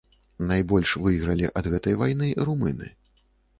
Найбольш выйгралі ад гэтай вайны румыны.